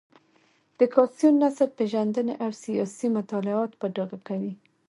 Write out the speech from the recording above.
د کاسیوس نسب پېژندنې او سیاسي مطالعات په ډاګه کوي.